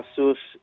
nah gitu ya